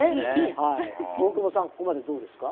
大久保さんはここまでどうですか。